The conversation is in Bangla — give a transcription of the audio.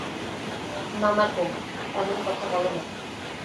নানাকো, এমন কথা বলে না।